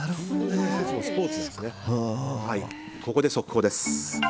ここで速報です。